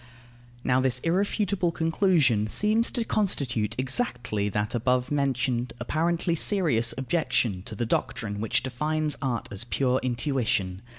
Now this irrefutable conclusion seems to constitute exactly that above mentioned apparently serious objection to the doctrine which defines art as pure intuition.